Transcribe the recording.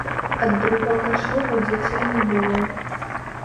Ад другога шлюбу дзяцей не было.